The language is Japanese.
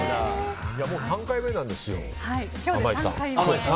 もう３回目なんですよ。